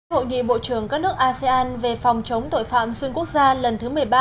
hội nghị bộ trưởng các nước asean về phòng chống tội phạm xuyên quốc gia lần thứ một mươi ba